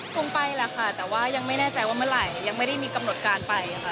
คงไปแหละค่ะแต่ว่ายังไม่แน่ใจว่าเมื่อไหร่ยังไม่ได้มีกำหนดการไปค่ะ